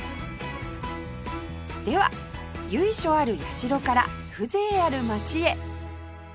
では由緒ある社から風情ある街へ